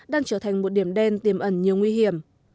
đang trở thành một điểm đen tiềm ẩn nhiều nguy hiểm